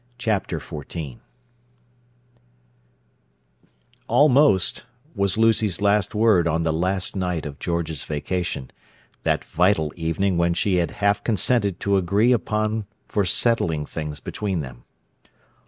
Chapter XIV "Almost" was Lucy's last word on the last night of George's vacation—that vital evening which she had half consented to agree upon for "settling things" between them.